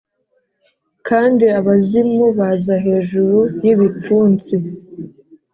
kandi abazimu baza hejuru y'ibipfunsi.